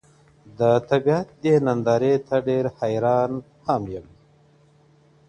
د طبيعت دې نندارې ته ډېر حيران هم يم.